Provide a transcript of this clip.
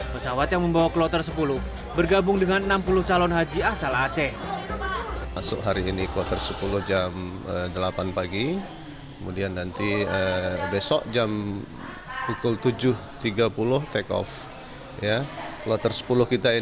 pesawat yang membawa kloter ke tanah suci mariana dalimunte dan mariano dalimunte